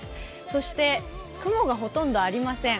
そして雲がほとんどありません。